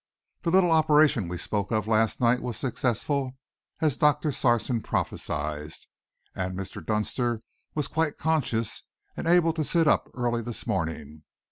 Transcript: The little operation we spoke of last night was successful, as Doctor Sarson prophesied, and Mr. Dunster was quite conscious and able to sit up early this morning.